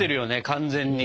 完全に。